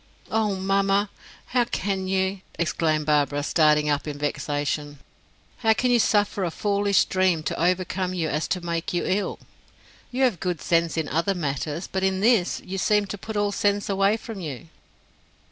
"Oh, mamma, how can you!" exclaimed Barbara, starting up in vexation. "How can you suffer a foolish dream to overcome you as to make you ill? You have good sense in other matters, but, in this, you seem to put all sense away from you."